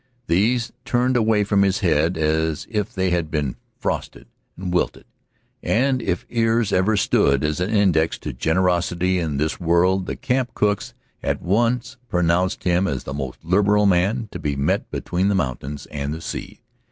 These turned away from his head as if they had been frosted and wilted, and if ears ever stood as an index to generosity in this world the camp cook's at once pronounced him the most liberal man to be met between the mountains and the sea.